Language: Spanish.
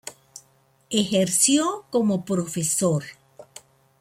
Ejerció como profesor.